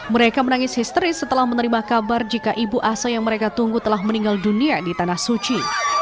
mereka menangis histeris setelah menerima kabar jika ibu asa yang mereka tunggu telah meninggal dunia di tanah suci